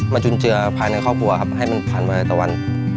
จุนเจือภายในครอบครัวครับให้มันผ่านมาในตะวัน